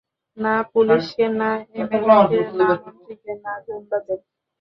না পুলিশকে, না এমএলেকে, না মন্ত্রীকে, না গুন্ডাদের।